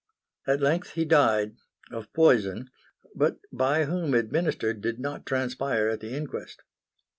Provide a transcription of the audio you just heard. At length he died of poison, but by whom administered did not transpire at the inquest.